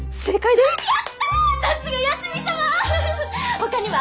ほかには？